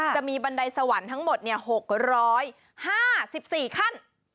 จะมีบันไดสวรรค์ทั้งหมด๖๕๔ขั้น